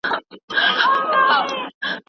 هره لوېشت یې پسرلی کې هر انګړ یې ګلستان کې